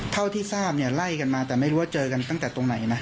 เท่าที่ทราบเนี่ยไล่กันมาแต่ไม่รู้ว่าเจอกันตั้งแต่ตรงไหนนะ